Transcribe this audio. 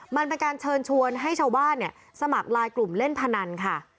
มันเป็นการเชิญชวนให้ชาวบ้านสมัครลายกลุ่มเล่นพนันค่ะ